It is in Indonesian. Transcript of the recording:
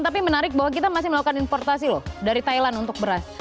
tapi menarik bahwa kita masih melakukan importasi loh dari thailand untuk beras